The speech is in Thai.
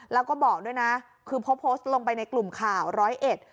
แล้วก็บอกด้วยนะคือพอโพสต์ลงไปในกลุ่มข่าวร้อยเอ็ด